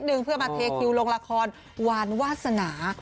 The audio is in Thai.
เพื่อมาเทคิวลงละครวานวาสนา